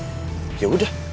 ya udah langsung ke base cam